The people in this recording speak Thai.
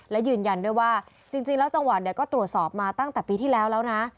และยืนยันด้วยว่าจริงแล้วจังหวัดก็ตรวจสอบมาตั้งแต่ปีที่แล้วแล้วนะ